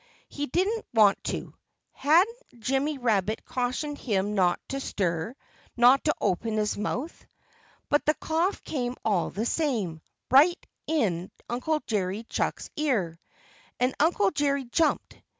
He didn't want to. Hadn't Jimmy Rabbit cautioned him not to stir not to open his mouth? But the cough came all the same, right in Uncle Jerry Chuck's ear. And Uncle Jerry jumped.